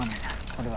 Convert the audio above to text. これは。